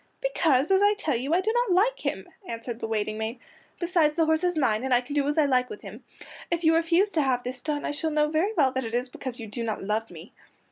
"Because, as I tell you, I do not like him," answered the waiting maid. "Besides the horse is mine, and I can do as I like with him. If you refuse to have this done I shall know very well that it is because you do not love me."